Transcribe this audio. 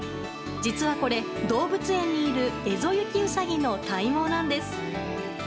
実はこれ、動物園にいるエゾユキウサギの体毛なんです。